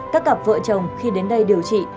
các cặp vợ chồng khi đến đây điều trị